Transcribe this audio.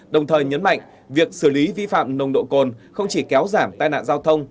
đồng thời nhấn mạnh việc xử lý vi phạm nồng độ cồn không chỉ kéo giảm tai nạn giao thông